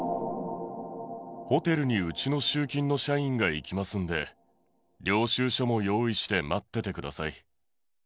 ホテルにうちの集金の社員が行きますんで、領収書も用意して待っててください。